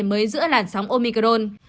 mới giữa làn sóng omicron